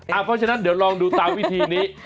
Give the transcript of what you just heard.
เพราะฉะนั้นเดี๋ยวลองดูตามวิธีนี้